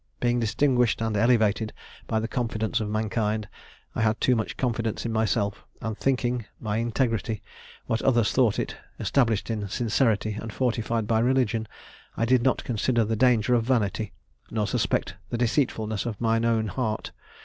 Being distinguished and elevated by the confidence of mankind, I had too much confidence in myself; and, thinking my integrity what others thought it established in sincerity, and fortified by religion, I did not consider the danger of vanity, nor suspect the deceitfulness of mine own heart.